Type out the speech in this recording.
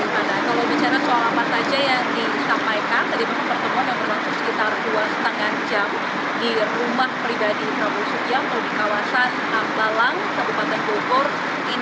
kalau bicara soal apa saja yang disampaikan tadi pertama pertemuan yang berlangsung sekitar dua lima jam